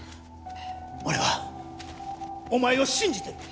俺はお前を信じてる。